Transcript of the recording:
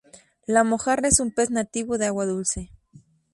La mojarra es un pez nativo de agua dulce.